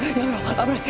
危ない。